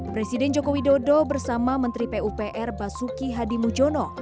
presiden joko widodo bersama menteri pupr basuki hadi mujono